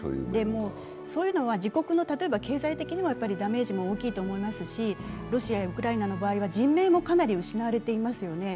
そういうのは自国の経済的にもダメージが大きいと思いますしロシアやウクライナの場合は人命もかなり失われていますよね。